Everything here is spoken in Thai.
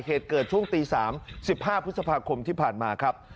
เหตุเกิดช่วงตี๓๑๕พฤษภาคมที่ผ่านมาครับ